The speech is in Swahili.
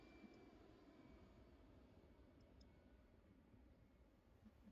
utajwa kusababisha vifo vya wachimbaji wote ishirini na tisa